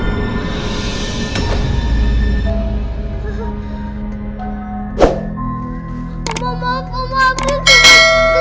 ini ditambah semoga kita